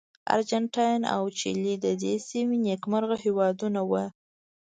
ارجنټاین او چیلي د دې سیمې نېکمرغه هېوادونه وو.